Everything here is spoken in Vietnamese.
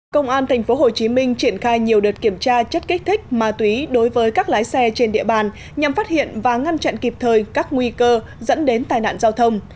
công an tp hcm triển khai nhiều đợt kiểm tra chất kích thích ma túy đối với các lái xe trên địa bàn nhằm phát hiện và ngăn chặn kịp thời các nguy cơ dẫn đến tai nạn giao thông